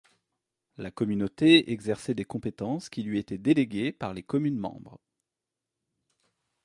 La communauté exerçait des compétences qui lui étaient déléguées par les communes membres.